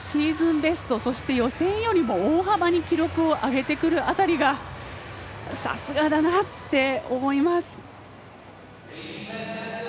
ベスト予選よりも大幅に記録を上げてくる辺りがさすがだなって思います。